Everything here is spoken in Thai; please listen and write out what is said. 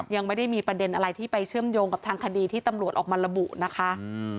ยังไม่ได้มีประเด็นอะไรที่ไปเชื่อมโยงกับทางคดีที่ตำรวจออกมาระบุนะคะ